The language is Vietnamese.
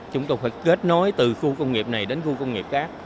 chúng tôi phải kết nối từ khu công nghiệp này đến khu công nghiệp khác